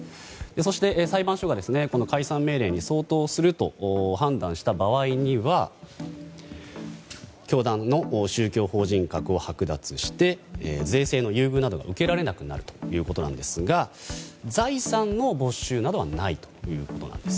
そして、裁判所が解散命令に相当すると判断した場合には教団の宗教法人格を剥奪して税制の優遇などが受けられなくなるということですが財産の没収などはないということなんです。